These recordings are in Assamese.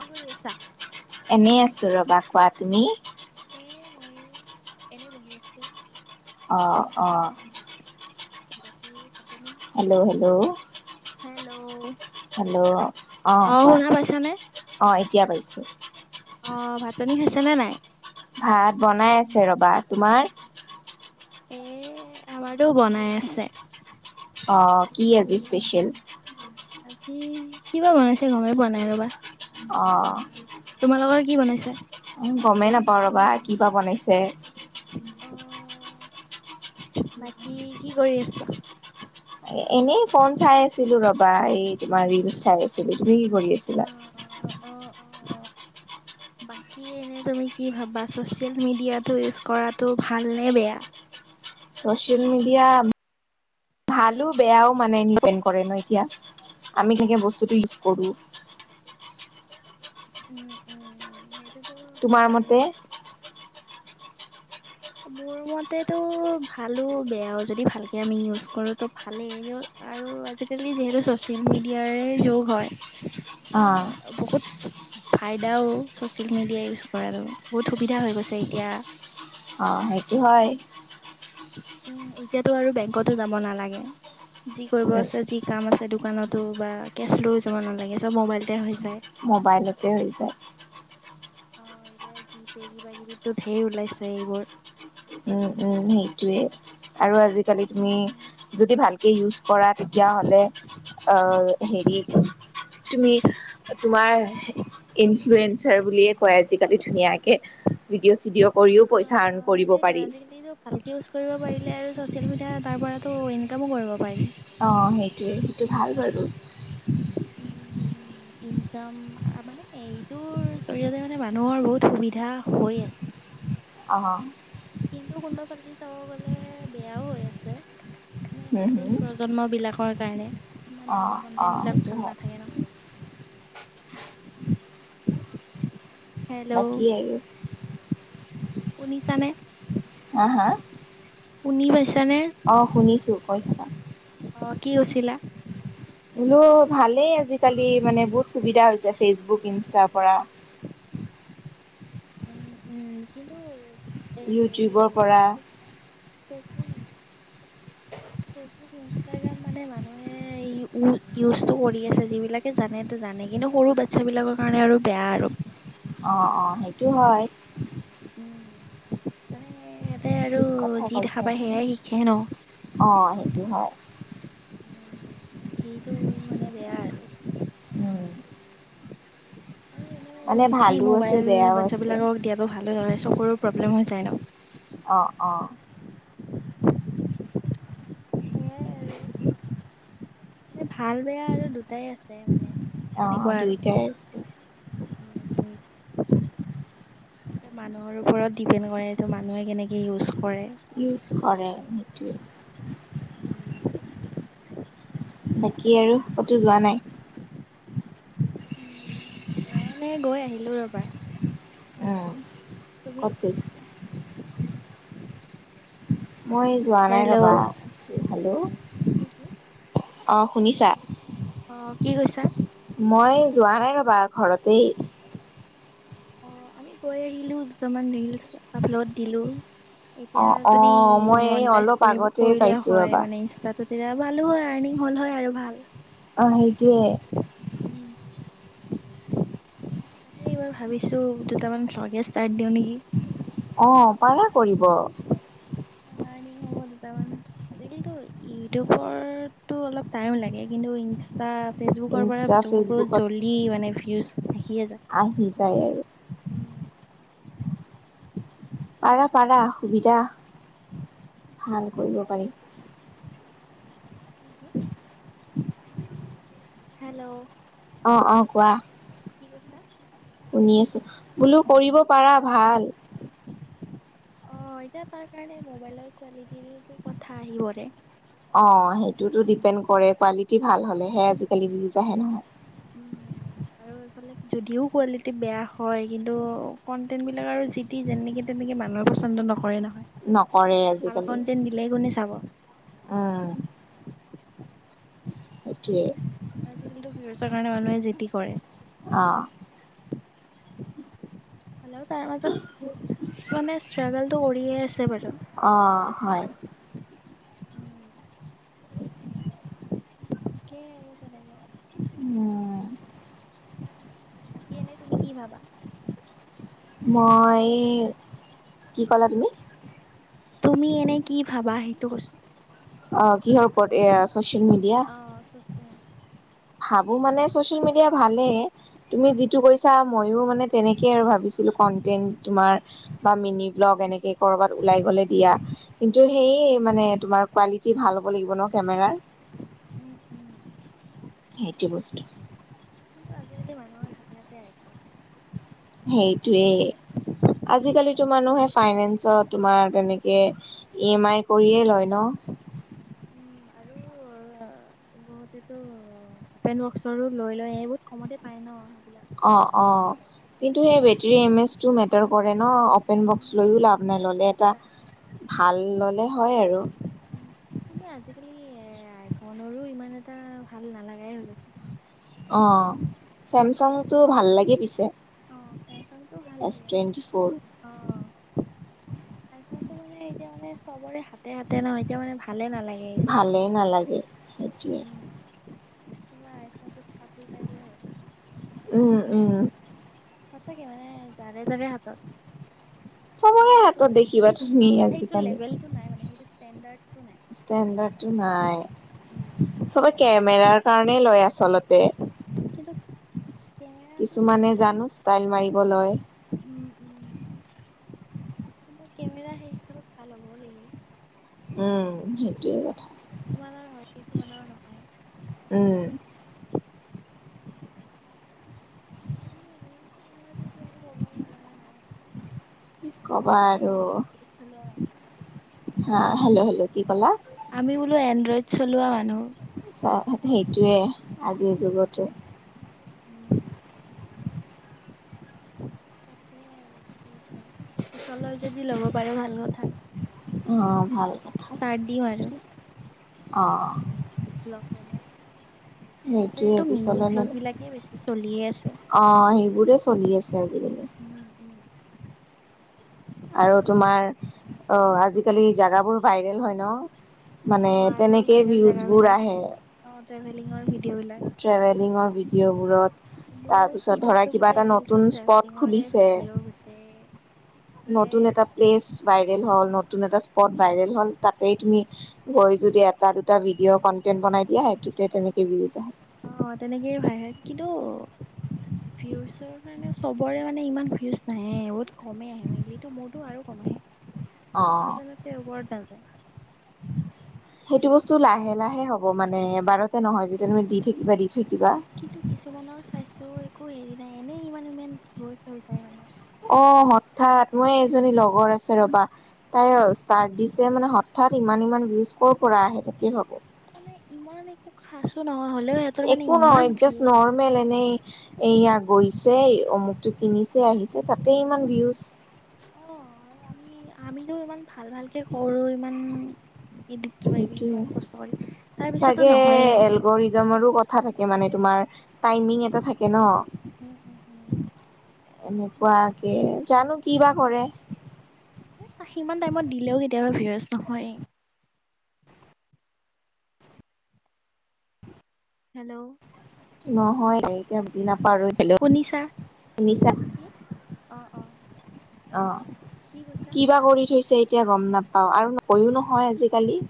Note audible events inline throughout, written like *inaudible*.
কি কৰি আছা? এনে আছো ৰবা কোৱা তুমি এ ময়ো এনে বহি আছো অ অ বাকী ভাত পানী হেল্ল' হেল্ল' হেল্ল' হেল্ল' অ কোৱা শুনা পাইছানে? অ এতিয়া পাইছো উ অ ভাত পানী খাইছে নে নাই ভাত বনাই আছে ৰবা তোমাৰ এ আমাৰো বনাই আছে কি আজি স্পেচিয়েল আজি কিবা বনাইছে গমে পোৱা নাই ৰ'বা অ তোমালোকৰ কি বনাইছা উ গমেই নাপাওঁ ৰবা কিবা বনাইছে অ বাকী কি কৰি আছো এ এনেই ফোন চাই আছিলো ৰবা এই তোমাৰ ৰিলচ চাই আছিলো তুমি কৰি অ আছিলা অ অ অ বাকী এনে তুমি কি ভাবা চচিয়েল মিডিয়াটো ইউজ কৰাটো ভাল নে বেয়া *inaudible* চচিয়েল মিডিয়া ভালো বেয়াও মানে দীপেণ্ড কৰে ন এতিয়া আমি কেনেকে বস্তুটো ইউজ কৰো *inaudible* উম উম উ সেইটো তোমাৰ মতে মোৰ মতেটো ভালো বেয়াও যদি ভালকে আমি ইউজ কৰো তো ভালেই আৰু আজিকালি যিহেতু চচিয়েল মিডিয়াৰে যোগ হয় অ তো বহুত ফাইদাও ছচিয়েল মিডিয়াই ইউজ কৰাটো বহুত সুবিধা হৈ গৈছে এতিয়া অ সেইটো হয় উ এতিয়াতো আৰু বেংকতো যাব নালাগে যি কৰিব আছে যি কাম আছে দোকানতো বা কেচ লৈও যাব নালাগে চব মোবাইলতে হৈছে মোবাইলতে হৈ যায় আহ এতিয়া জি পে কিবা কিবি টো ধেৰ ওলাইছে এইবোৰ উম উম সেইটোয়ে আৰু আজি আজিকালি তুমি উম যদি ভালকে ইউজ কৰা তেতিয়া হলে অ হেৰি তুমি তোমাৰ ইনফ্লুৱেঞ্চাৰ বুলিয়ে কয় আজিকালি ধুনীয়াকে ভিডিঅ' চিডিঅ' কৰ কৰিও পইচা এৰ্ন কৰিব প আজিকালিটো ভালকে ইউজ কৰিব পাৰিলে আৰু চচিয়েল মিডিয়া তাৰ পৰাতো ইনকামো কৰিব পাৰি উ উম উম ইনকাম মানে এইটোৰ জৰিয়তে মানে মানুহৰ বহুত সুবিধা হৈ আছে *inaudible* অ হ কিন্তু কোনোবা ফালেদি চাব গলে বেয়াও হৈ আছে এনে হুম নতুন হুম প্ৰজন্ম বিলাকৰ কাৰণে কিছুমান অ আৰু অ কন্টেন্ট বিলাক সেইটো ভাল হয় নাথাকে ন বাকী আৰু শুনিছ নে আহ হা উননি বছ অ' শুনিছো কৈ থকা আহ কি হৈছিলা বোলো ভালেই আজিকালি মানে বহুত সুবিধা হয়চে। ফেচবুক ইনষ্টাৰ পৰা উম উম কিন্তু ইউটিউবৰ পৰা বেছব ফেচবুক ইনষ্টাগ্ৰাম মানে মানুহে ইজটো কৰি আছে যিবিলাক জানেতো জানে কিন্তু সৰু বাচ্ছ বিলাকৰ কাৰণে আৰু বেয়া আৰু অ', অ সেইটো হয় উম তানে তে আৰু ঠিক কথা যি কৈছা দেখা পায় সেয়াই শিকে ন বিহাৰ উ সেইটো মানে বেয়া আৰু উম। আৰু এনেও মানে বেছি ভালো আছে মোবাইল বেয়াও আছে বাচ্ছাবলাকক দিয়াতটো ভাল হয় চ প্ৰব্লেম হৈ যায় ন অ অ সেইয় ে ভাল বেয়া আৰু দুটাই আছে মানে অ', তেনেকুৱা দুইটাই আছে। আৰু উম, উম। এ মানুহৰ ওপৰত ডিপেণ্ড কৰে এইটো মানুহে কেনেকে ইজ কৰে ইউজ কৰে নিটে উম বাকী আৰু ক'তো যোৱা নাই উম তইানে গৈ আহিলো ৰবা তুমি অফিচ মই যোৱা নাই ৰ'বা আছোঁ হেল্ল' কি অঁ শুনিছা অ কি কৈছা মই যোৱা নাই ৰবা ঘৰতেই অ আমি গৈ আহিলো দুটামান ৰিলচ আপলোড দিলো এতিয়া অ', যদি অ', মই এই মনাইজ অলপ আগতে কৰিলে পাইছোঁ হয় ৰ'বা মানে ইনয়া ভালো হয় আৰ্নিং হল হয় আৰু ভাল অ সেইটোৱে উ তাকে এইবাৰ ভাবিছো দুটামান ব্লগে ষ্টাৰ্ট দিওঁ নেকি। অঁ পাৰা কৰিব হ'ব দুটামান আজিকালো ইউটিউবো অলপ টাইম লাগে কিন্তু ইনষ্টা ফেচবুকৰ পৰা ইনষ্টা চব বুত ফেচবুকত জল্লি মানে ভিউজ থখিয়ে যায় আহি যায় আৰু উম পাৰা পাৰা সুবিধা ভাল হা কৰিব পাৰি হক হেল্ল' অ অ কোৱা কি কৈছা। শুনি আছো বোলো কৰিব পাৰা ভাল। আহ এতিয়া তাৰ কাৰণে মোবাইলৰ কোৱালিটিৰো কথা আহি পৰে। অ সেইটোতো ডিপেণ্ড কৰে, কোৱালিটি ভাল হ'লেহে আজিকালি ভিয়িউজ আহে নহয়। উম। আৰু এইফালে যদিও কোৱালিটি বেয়া হয়। কিন্তু কণ্টেণ্ট বিলাক আৰু যিদি যেনেকে তেনেকে। মানুহ পচন্দ নকৰে নহয়। নকৰে ভাল আজিকালি কণ্টেণ্ট দিলেই কোনে চাব। উম সেইটোৱে আজিকালিতো ভিউজৰ কাৰণে মানুহে যিটি কৰে। অ, হ'লেও তাৰ মাজত কিছুমানে ষ্ট্ৰাগলটো কৰিয়ে আছে বাৰু। অ হয়। উম। তাকে আৰু উম তেনেকে। বাকী এনেই তুমি কি ভাবা। মই কি ক'লা তুমি। তুমি এনে কি ভাবা হেইটো কচু। অ কিহৰ ওপৰত এইও ছ'চিয়েল মিডিয়া। অ', চচিয়েল মিডিয়া ভাবো মানে চচিয়েল মিডিয়া ভালে। তুমি যিটো কৈছা ময়ো মানে তেনেকে আৰু ভাবিছো। কণ্টেণ্ট তোমাৰ বা মিনি ব্লগ এনেকে কৰ'বাত ওলাই গ'লে দিয়া। কিন্তু সেই এই মানে তোমাৰ কোৱালিটি ভাল হ'ব লাগিব ন কেমেৰাৰ। উম। উম। সেইটো বস্তু কিন্তু আজিকালি মানুহৰ হাতে হাতে আইফন। সেইটোৱেই আজিকালিতো মানুহে ফাইনেন্সত তোমাৰ তেনেকে। ই এম আই কৰিয়ে লয় ন। উম আৰু বহুতেতো পেন বক্সৰ লৈ লয়। এই বহুত কমতে পাই ন। অ, অ, কিন্তু সেই বেটৰী এমএচটো মেটাৰ কৰে। ন অপেন বক্স সেইবিলাক লৈও ও লাভ নাই ল'লে এটা ভাল ল'লে হয় আৰু কিন্তু আজিকালি এ আইফনৰো ইমান এটা এটা ভাল নালাগাই হৈ গৈছে। অ চেমচাংটো ভাল লাগে পিছে। আহ চেমচংটো ভাল এছ লাগে টুৱেণ্টি ফ'ৰ অ। আইফোনটো মানে এতিয়া মানে চবৰে হাতে। হাতে হাতে নহ এতিয়া মানে ভালে নালাগে এইটো দেখো ভালেই নালাগে সেইটোৱে উম। তোমাৰ আইফনটো চাপৰি চাপ হৈ গৈছে। উম উম সঁচাকে মানে যাৰে যাৰে হাতত। চবৰে মানে হাতত দেখিবা তুমি সেইটো সেইটো লেভেল টো নাই মানে সেইটো ষ্টেণ্ডাৰ্ডৰ। স্ষ্টেণ্ডাৰ্ডটো নাই। উম চবে কেমেৰাৰ কাৰণেই লয় আচলতে। কিন্তু তে কেমেৰাটো কিছুমানে মানে জানো ষ্টাইল মাৰিব লয়। উম উম কিন্তু কেমেৰা সেই হিচাপত ভাল হ'বও লাগিল। উম সেইটোয়ে। কিছুমানৰ হয় কিছুমানৰ নহয়। উম তাকেই আৰু আমাৰটোতো আৰু ক'ব লগা নাই আৰু। ক'বা আৰু আমি এনড্ৰইড চলোৱা মানুহ হা হেল্ল' হেল্ল' কি ক'লা। আমি বোলো এনড্ৰইড চলোৱা মানুহ। সঁচা সেইটোৱে আজিৰ যুগতো। *unintelligible* তাকে আৰু কি হয়। পিছলৈ যদি ল'ব পাৰোঁ ভাল কথা। অ ভাল কথা *unintelligible* দিও আৰু। অ', অ। ভ্লগ বনোৱাৰ সেইটোৱে আজিকালিটো মিনি পিছলৈ ব্লগ বিলাকে বেছি চলিয়ে আছে। অ' সেইবোৰে চলি আছে আজিকালি। উম উম আৰু তোমাৰ অ' আজিকালি জাগাবোৰ ভাইৰেল হয় ন। অ মানে আৰু তেনেকেই ভিউজবোৰ আহে। ট্ৰেভেলিংঙৰ ভিডিও' বিলাক। ট্ৰেভেলিঙৰ ভিডিঅ'বোৰত মোৰ তাৰপিছত ধৰা ফিডতটো কিবা গোটেই এটা নতুন ৰিলসত স্পট ট্ৰভেলিঙৰ এ খুলিছে ভিডিঅ' গোটেই। সেয়াই নতুন এটা প্লেচ ভাইৰেল হল ন। নতুন এটা স্পট ভাইৰেল হ'ল তাতেই তুমি গৈ যদি এটা দুটা ভিডিঅ'ৰ কন্টেন্ট বনাই দিয়া সেইটো তেতিয়া তেনেকে বিয়োজ আহে। অ' তেনেকেই *unintelligible* হয় কিন্তু ভিউজৰ কাৰণে চবৰে মানে ইমান ভিউজ নাহে বহোত কমে আহে মেনলিতো মোৰ বহোত কম আহে। অ' খজানতে ওবৰত দা যায় সেইটো বস্তু লাহে লাহে হ'ব মানে এবাৰত কিন্তু কিছুমানৰ চায়চো একো হেৰি নাই এনেই ইমান ইমান ভিউচ হৈ যায় মানে। অ হঠাৎ মই এজনী লগৰ আছে ৰবা তাই ষ্টাৰ্ট দিছে মানে হঠাৎ তাত ইমান ইমান ভউজ ক'ৰ পৰা আহে তাকয়ে ভাবো। মানে ইমান একো খাঁচো নহয় হ'লেও সিহঁতৰ মানে একো ইমান নহয় জাষ্ট ভিউজ নৰ্মেল এনেই এইয়া গৈছে অমুকটো কিনিছে আহিছে তাতে ইমান ভিউজ। অ' আৰু আমি আমিতো ইমান ভাল ভালকে কৰো ইমান এডিট কিবা কিবি ইমান কষ্ট কৰি তাৰ সেইটোৱে পিছতো চাগে নহয়ে মানে এলগৰিডমৰো কথা থাকে মানে তোমাৰ টাইমিং এটা থাকে ন। উম উম উম এনেকুৱাকে জানো কি বা কৰে। এ, সিমান টাইমত দিলেও কেতিয়াবা ভিউয়াৰ্স নহয় এ। হেল্ল'! নহয় এতিয়া বুজি নাপাওঁ আৰু শুনিছা? *unintelligible* শুনিছা? কি অ', অ'। কি অ' কৈছা? কিবা কৰি থৈছে এতিয়া গম নাপা অ' আৰু নকৈও নহয় আজিকালি।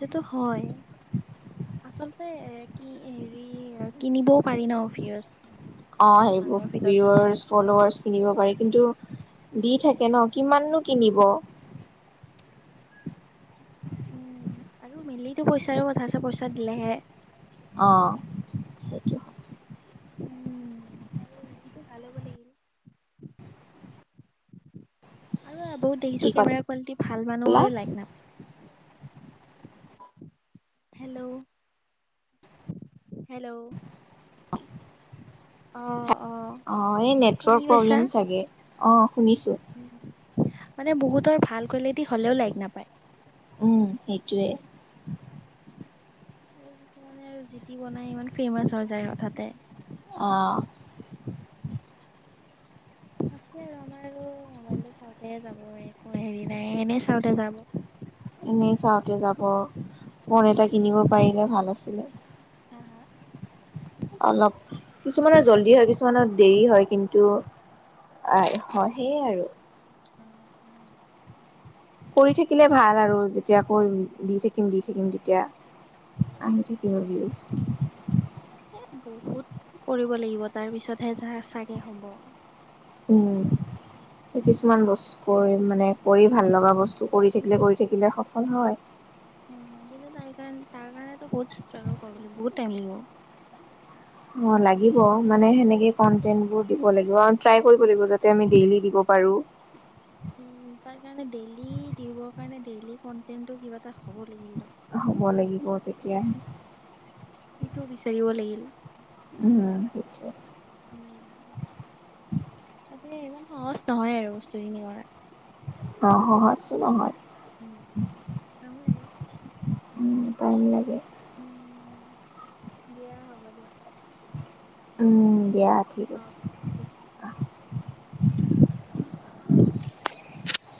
সেইটো হয়। *inaudible* আচলতে এ কি হেৰি কিনিবও পাৰি ন ভিউয়াৰ্স। অ' সেইবোৰ ভিউয়াৰ্স ফলোআৰচ কিনিব পাৰি কিন্তু দি থাকে ন কিমাননো কিনিব। উম আৰু মেনলিটো পইচাৰে কথা আছে পইচা দিলেহে। অ' উম আৰু ইজিতটো ভাল হ'ব লাগিল আৰু বহুত কি দেখিছো ক কেমেৰা কালিটি ভাল কলা মানুহৰ লাইক নাম *inaudible* হেল্ল' হেল্ল'! অ'। অ অ', এই শুনি নেটৱৰ্ক পাইছা? প্ৰব্লেম চাগে অ' শুনিছোঁ। মানে বহুতৰ ভাল কোৱালিটি হ'লেও লাইক নাপায়। উম সেইটোৱে আৰু কিচোমানে জি তি বনাই ইমান ফেমাস হয় যায় লগতে। আহ তাকে আৰু আমাৰ আৰু চাওঁতে যাব একো হেৰি নাই এনেই চাওঁতে যাব এনেই চাওঁতে ে ভাল আছিলে হ হ অলপ কিছুমানৰ জল্দি হয় কিছুমানৰ দেৰি হয় কিন্তু আ হয় সেইয় আৰু উম উম কৰি থাকিলে ভাল আৰু যেতিয়া কৰি দি থাকিম দি থাকিম তেতিয়া আহি থাকিব ভিউজ এ বহুত কৰিব লাগিব তাৰ পিছতহে যা চাগে হ'ব উম কিছুমান বস্তু কৰি মানে কৰি ভাল লগা বস্তু কৰি থাকিলে কৰি থাকিলে সফল হয় উ কিন্তু তাই কাৰণে তাৰ কাৰণে বহুত ষ্টল লাগিব বহুত াইম লাগিব অঁ লাগিব মানে সেনেকৈ কণ্টেণ্টবোৰ দিব লাগিব ট্ৰাই কৰিব লাগিব যাতে আমি ডেইলি দিব পাৰোঁ উ উ তাৰ কাৰণে ডেইলি দিব কাৰণে ডেইলি কটেটো কিবা এটা হব লাগিল ন হ'ব লাগিব তেতিয়াই সেইটো বিচাৰিব লাগিল উম এ ইমান সহজ নহয় আৰু বস্তুখিনি কৰা অ সহজটো নহয় উম তল উম টাইম লাগে উম দিয়া হ'ব দিয়া উম দিয়া ঠিক অ আছে অ।